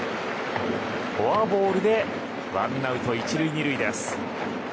フォアボールでワンアウト１塁２塁です。